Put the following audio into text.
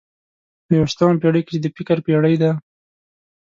په یوویشتمه پېړۍ کې چې د فکر پېړۍ ده.